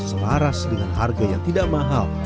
selaras dengan harga yang tidak mahal